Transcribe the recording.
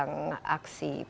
perkeong maksud saya